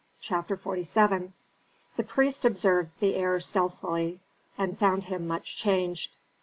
CHAPTER XLVII The priest observed the heir stealthily, and found him much changed.